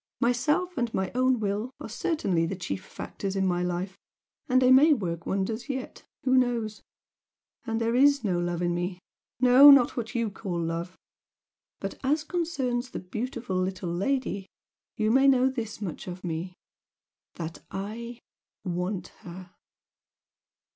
Myself and my own will are certainly the chief factors in my life and they may work wonders yet! who knows! And there is no love in me no! not what YOU call love! but as concerns the 'beautiful little lady,' you may know this much of me THAT I WANT HER!"